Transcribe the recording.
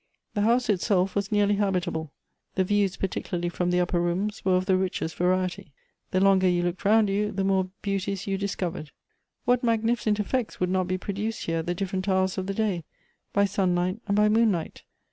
The house itself was nearly habitable ; the views par ticularly from the upper rooms, were of the richest vari ety. The longer you looked round you, the more beau ties you discovered. What magnificent efiects would not be produced here at the different hours of the day — by sunlight and by moonlight